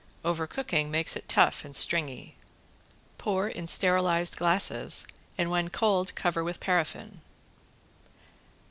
Overcooking makes it tough and stringy. Pour in sterilized glasses and when cold cover with paraffin.